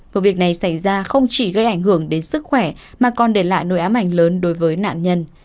vụ việc này xảy ra không chỉ gây ảnh hưởng đến sức khỏe mà còn để lại nội ám ảnh lớn đối với nạn nhân